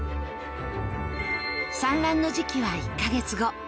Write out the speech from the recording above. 産卵の時期は１か月後。